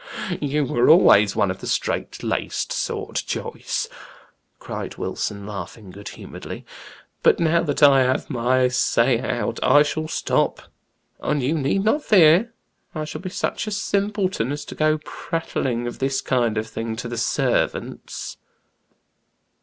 "You were always one of the straight laced sort, Joyce," cried Wilson, laughing good humoredly. "But now that I have had my say out, I shall stop; and you need not fear I shall be such a simpleton as to go prattling of this kind of thing to the servants."